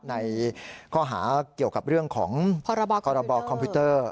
ในข้อหาเกี่ยวกับเรื่องของพรบคอมพิวเตอร์